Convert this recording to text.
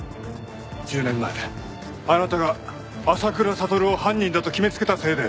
１０年前あなたが浅倉悟を犯人だと決めつけたせいで。